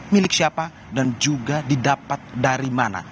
milik siapa dan juga didapat dari mana